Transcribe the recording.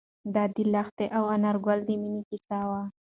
دا د لښتې او انارګل د مینې کیسه وه.